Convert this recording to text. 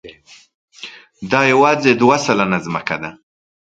دا یواځې دوه سلنه ځمکه ده.